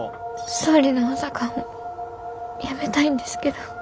総理の補佐官を辞めたいんですけど。